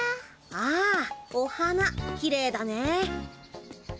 あお花きれいだね。